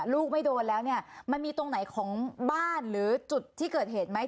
ลูกไม่โดนแล้วเนี่ยมันมีตรงไหนของบ้านหรือจุดที่เกิดเหตุไหม